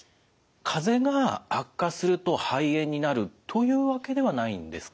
かぜが悪化すると肺炎になるというわけではないんですか？